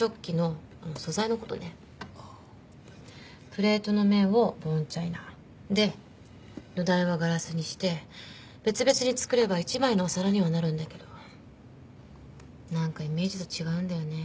プレートの面をボーンチャイナで土台はガラスにして別々に作れば１枚のお皿にはなるんだけど何かイメージと違うんだよね。